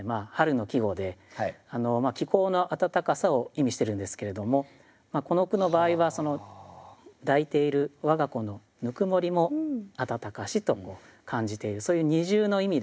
気候の暖かさを意味してるんですけれどもこの句の場合は抱いている我が子のぬくもりも「暖かし」と感じているそういう二重の意味でですね。